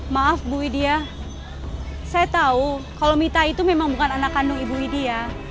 maaf bu widia saya tahu kalau mita itu memang bukan anak kandung ibu widya